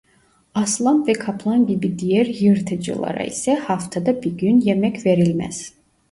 Aslan ve kaplan gibi diğer yırtıcılara ise haftada bir gün yemek verilmez.